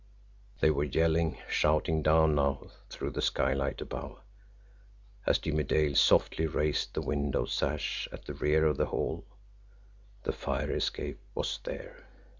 They were yelling, shouting down now through the sky light above, as Jimmie Dale softly raised the window sash at the rear of the hall. The fire escape was there.